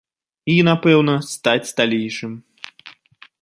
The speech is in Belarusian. І, напэўна, стаць сталейшым.